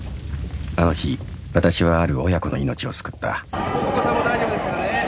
あの日私はある親子の命を救ったお子さんも大丈夫ですからね